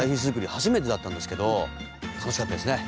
初めてだったんですけど楽しかったですね。